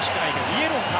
イエローか。